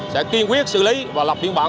sẽ kiên quyết xử lý và lập biên bản